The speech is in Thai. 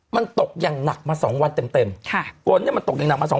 มันตกอย่างหนักมาสองวันเต็มค่ะมันตกอย่างหนักมาสอง